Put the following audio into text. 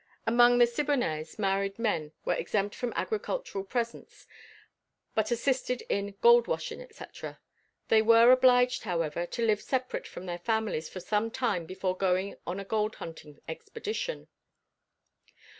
Among the Siboneyes married men were exempt from agricultural presents, but assisted in gold washing, etc. They were obliged however, to live separate from their families for some time before going on a gold hunting expedition.